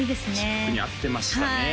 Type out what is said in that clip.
曲に合ってましたね